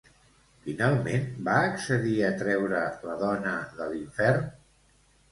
Finalment, va accedir a treure la dona de l'infern?